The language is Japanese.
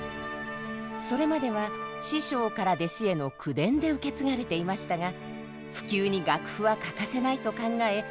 それまでは師匠から弟子への口伝で受け継がれていましたが普及に楽譜は欠かせないと考え